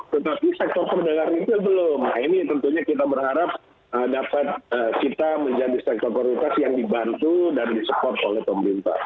tetapi sektor perdagangan retail belum nah ini tentunya kita berharap dapat kita menjadi sektor prioritas yang dibantu dan disupport oleh pemerintah